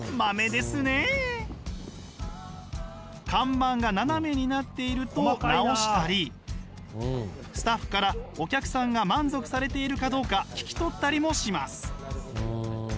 看板が斜めになっていると直したりスタッフからお客さんが満足されているかどうか聞き取ったりもします。